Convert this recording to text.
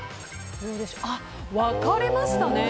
分かれましたね。